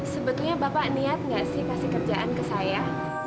sebetulnya bapak niat nggak sih kasih kerjaan ke saya